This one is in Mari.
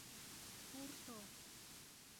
Пурто...